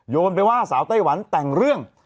โยนไปว่าสาวไต้หวันแต่งเรื่อง